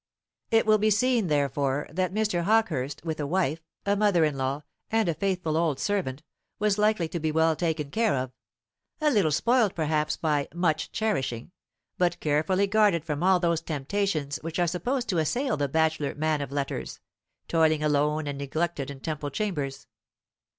It will be seen, therefore, that Mr. Hawkehurst with a wife, a mother in law, and a faithful old servant, was likely to be well taken care of; a little spoiled perhaps by "much cherishing," but carefully guarded from all those temptations which are supposed to assail the bachelor man of letters, toiling alone and neglected in Temple chambers.